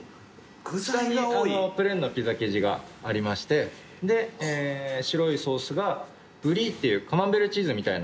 下にプレーンのピザ生地がありましてで白いソースがブリーっていうカマンベールチーズみたいなチーズですね。